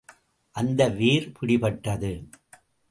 அந்த வேர் பிடிபட்டது.